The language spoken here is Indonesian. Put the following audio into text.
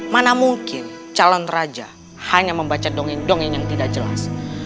mana mungkin calon raja hanya membaca dongeng dongeng yang tidak jelas